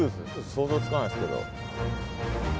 想像つかないですけど。